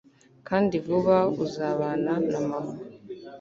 kandi vuba uzabana na mama